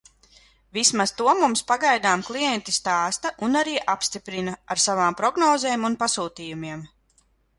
Vismaz to mums pagaidām klienti stāsta un arī apstiprina ar savām prognozēm un pasūtījumiem.